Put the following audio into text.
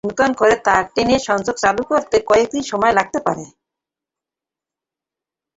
নতুন করে তার টেনে সংযোগ চালু করতে কয়েক দিন সময় লাগতে পারে।